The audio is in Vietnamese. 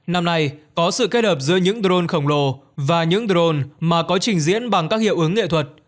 năm nay có sự kết hợp giữa những drone khổng lồ và những drone mà có trình diễn bằng các hiệu ứng nghệ thuật